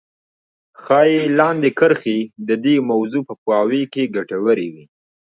ښايي لاندې کرښې د دې موضوع په پوهاوي کې ګټورې وي.